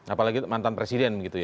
apalagi mantan presiden gitu ya